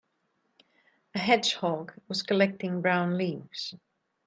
A hedgehog was collecting brown leaves.